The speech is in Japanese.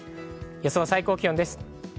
予想最高気温です。